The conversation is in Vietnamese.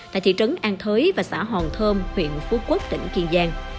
tại thị trấn an thới và xã hòn thơm huyện phú quốc tỉnh kiên giang